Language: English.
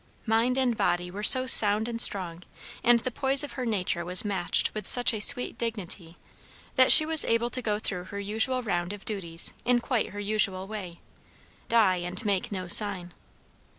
Mind and body were so sound and strong, and the poise of her nature was matched with such a sweet dignity, that she was able to go through her usual round of duties in quite her usual way; "die and make no sign."